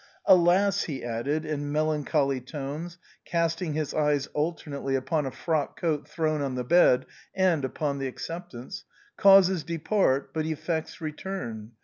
Alas," he added, in melancholy tones casting his eyes al ternately upon a frock coat thrown on the bed and upon the acceptance, " causes depart but effects return.